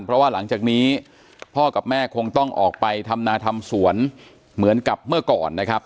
เพราะว่าหลังจากนี้พ่อกับแม่คงต้องออกไปทำนาทำสวนเหมือนกับเมื่อก่อนนะครับ